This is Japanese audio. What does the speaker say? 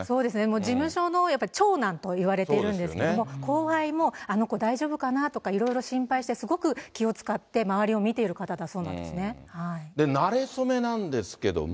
もう事務所の長男といわれているんですけれども、後輩も、あの子大丈夫かな？とか、いろいろ心配して、すごく気を遣って、周りを見ている方だそうなんですね。なれそめなんですけども。